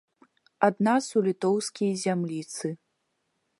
Ад нас у літоўскія зямліцы.